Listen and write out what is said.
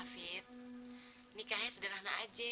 bang hafid nikahnya sederhana aja